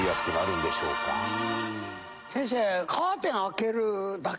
先生。